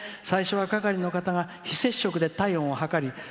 最初は係りの方が、非接触で体温を測り」